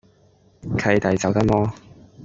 契弟走得摩